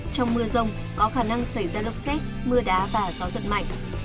trong mưa rông có khả năng xảy ra lốc xét mưa đá và gió giật mạnh